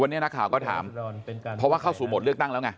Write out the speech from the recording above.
วันนี้นักข่าวก็ถามเพราะว่าเข้าสู่โหมดเลือกตั้งแล้วไง